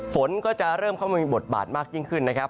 ฝนก็จะเริ่มเข้ามามีบทบาทมากยิ่งขึ้นนะครับ